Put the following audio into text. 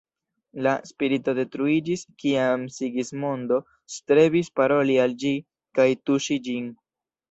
La spirito detruiĝis kiam Sigismondo strebis paroli al ĝi kaj tuŝi ĝin.